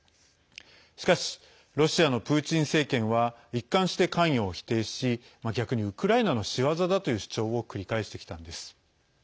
しかし、ロシアのプーチン政権は一貫して関与を否定し逆にウクライナの仕業だという主張を繰り返してきたんです。